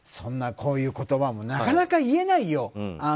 こういう言葉もなかなか言えないよ。